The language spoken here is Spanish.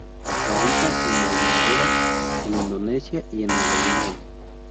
Habita en Halmahera en Indonesia y en Nueva Guinea.